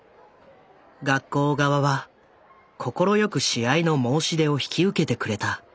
学校側は快く試合の申し出を引き受けてくれた。